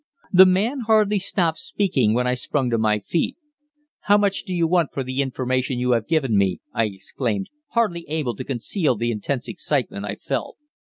The man hardly stopped speaking when I sprang to my feet. "How much do you want for the information you have given me?" I exclaimed, hardly able to conceal the intense excitement I felt.